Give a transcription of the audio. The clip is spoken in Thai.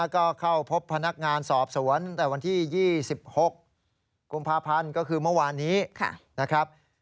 ก็เข้าพบพนักงานสอบสวนแต่วันที่๒๖กุมภาพันธ์ก็คือเมื่อวานนี้นะครับ